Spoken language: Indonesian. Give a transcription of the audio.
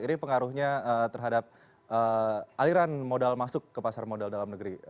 ini pengaruhnya terhadap aliran modal masuk ke pasar modal dalam negeri